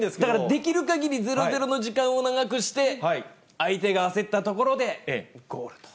できるかぎり０ー０の時間を長くして、相手が焦ったところでゴールと。